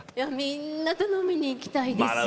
みんなと飲みに行きたいです。